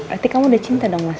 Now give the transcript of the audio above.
berarti kamu udah cinta dong mas